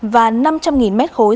và năm trăm linh mét khối